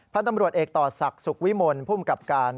พระนำรวจเอกต่อศักดิ์สุกวิมลผู้มกับการ